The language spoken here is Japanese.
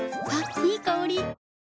いい香り。